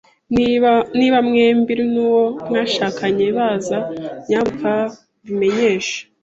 Niba mwembi nuwo mwashakanye baza, nyamuneka mbimenyeshe.